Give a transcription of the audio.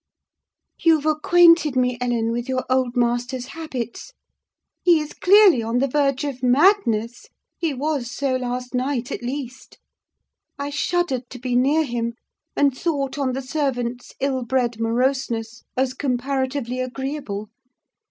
You've acquainted me, Ellen, with your old master's habits. He is clearly on the verge of madness: he was so last night at least. I shuddered to be near him, and thought on the servant's ill bred moroseness as comparatively agreeable.